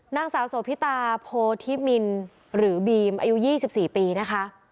นางสาวโสพิตาโพธิมินหรือบีมอายุ๒๔ปีนะคะ